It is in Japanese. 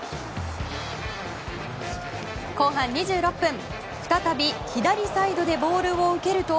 後半２６分、再び左サイドでボールを受けると。